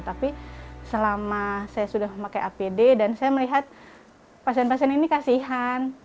tapi selama saya sudah memakai apd dan saya melihat pasien pasien ini kasihan